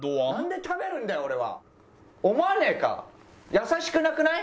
優しくなくない？